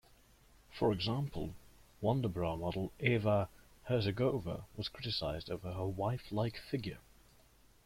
For example, Wonderbra model Eva Herzigova was criticized over her waif-like figure.